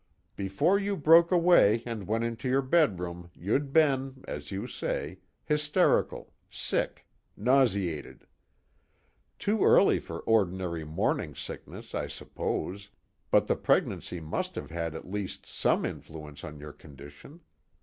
Before you broke away and went into your bedroom you'd been, as you say, hysterical, sick, nauseated: too early for ordinary morning sickness I suppose, but the pregnancy must have had at least some influence on your condition.